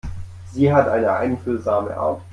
Sie hat eine einfühlsame Art.